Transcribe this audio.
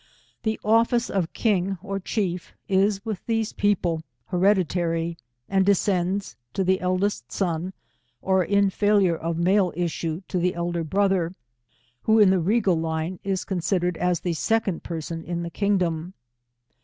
« The ofHce of king or chief, is, with those people, hereditary, and descends to the eldest son, or in failure of male issue, to the elder brother, who in the regal line, is considered as the second person in the kingdom.